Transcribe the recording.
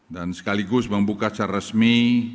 dan sekaligus membuka acara resmi